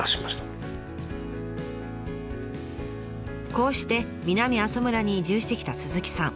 こうして南阿蘇村に移住してきた鈴木さん。